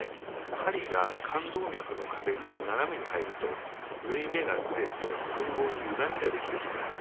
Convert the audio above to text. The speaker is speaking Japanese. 針が冠動脈の壁に斜めに入ると縫い目がずれて吻合にゆがみができてしまうんです。